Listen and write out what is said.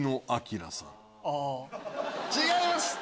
違います！